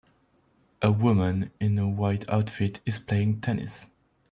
A woman in a white outfit is playing tennis.